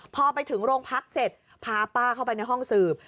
พอไปถึงโรงพักเสร็จพาป้าเข้าไปในห้องสืบ